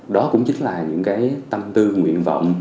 đó cũng chính là những cái tâm tư nguyện vọng